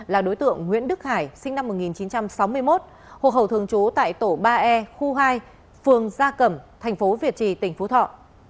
là đối tượng nguyễn đức hải sinh năm một nghìn chín trăm sáu mươi một hộ khẩu thường trú tại tổ ba e khu hai phường gia cẩm thành phố việt trì tỉnh phú thọ